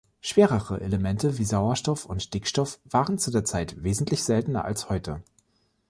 Schwerere Elemente wie Sauerstoff und Stickstoff waren zu der Zeit wesentlich seltener als heute.